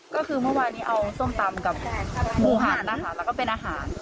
ก็คือเมื่อวานนี้เอาส้มตำกับหมูหันนะคะแล้วก็เป็นอาหาร